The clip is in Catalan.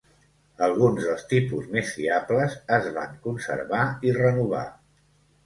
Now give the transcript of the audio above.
Alguns dels tipus més fiables es van conservar i renovar.